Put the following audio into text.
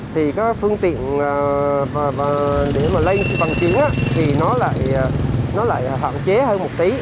thì các phương tiện để mà lây vận chuyển thì nó lại phản chế hơn một tí